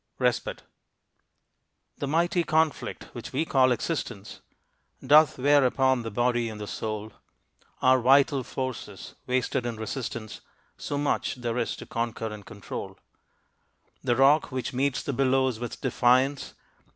RESPITE. The mighty conflict, which we call existence, Doth wear upon the body and the soul. Our vital forces wasted in resistance, So much there is to conquer and control. The rock which meets the billows with defiance.